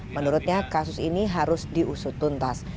menurutnya kasus ini harus diusut tuntas